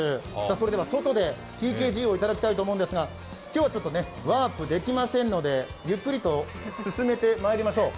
それでは外でＴＫＧを頂きたいと思うんですが今日はワープできませんのでゆっくりと進めてまいりましょう。